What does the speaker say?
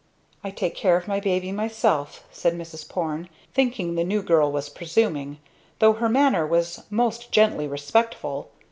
"I take care of my baby myself!" said Mrs. Porne, thinking the new girl was presuming, though her manner was most gently respectful.